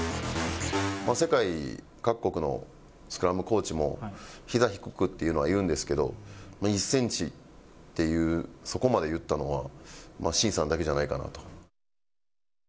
世界各国のスクラムコーチもひざ低くっていうのは言うんですけど、１センチっていう、そこまで言ったのは慎さんだけじゃないかなと。